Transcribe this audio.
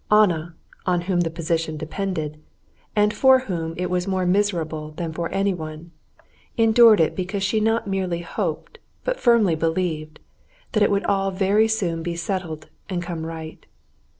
Anna, on whom the position depended, and for whom it was more miserable than for anyone, endured it because she not merely hoped, but firmly believed, that it would all very soon be settled and come right.